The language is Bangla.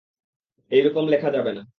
এইরকম লেখা যাবে না।